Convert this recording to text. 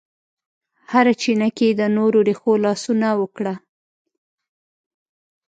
هره چینه کې یې د نور رېښو لاسونه وکړه